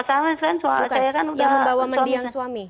saya kan sudah suami